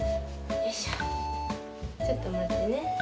よいしょちょっとまってね。